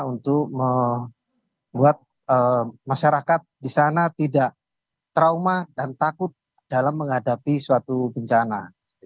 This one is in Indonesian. untuk membuat masyarakat di sana tidak trauma dan takut dalam menghadapi suatu bencana